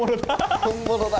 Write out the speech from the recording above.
本物だ。